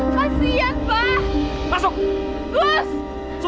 saya punya every daystress